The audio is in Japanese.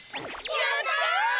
やった！